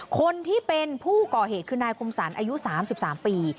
คนที่เป็นผู้ก่อเหตุคือนายคมสรรอายุ๓๓ปี